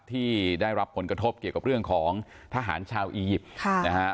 ที่ได้รับผลกระทบเกี่ยวกับเรื่องของทหารชาวอียิปต์ค่ะนะฮะ